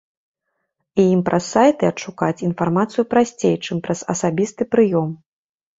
І ім праз сайты адшукаць інфармацыю прасцей, чым праз асабісты прыём.